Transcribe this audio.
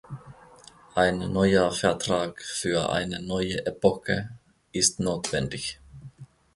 Ein neuer Vertrag für eine neue Epoche ist notwendig.